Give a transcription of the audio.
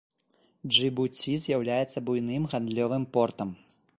Джыбуці з'яўляецца буйным гандлёвым портам.